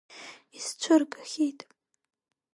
Исцәыргахьеит!